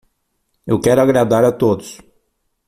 Eu quero agradar a todos.